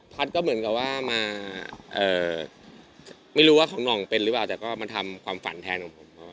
ก็เหมือนกับว่ามาไม่รู้ว่าของหน่องเป็นหรือเปล่าแต่ก็มาทำความฝันแทนของผม